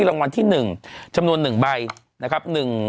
รางวัลที่หนึ่งชำนวนหนึ่งใบนะครับ